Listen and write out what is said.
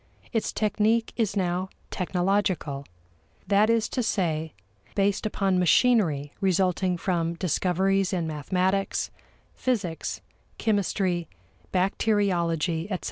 Its technique is now technological: that is to say, based upon machinery resulting from discoveries in mathematics, physics, chemistry, bacteriology, etc.